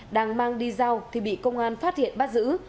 đang mang đi giao thì bị công an phát hiện bắt giữ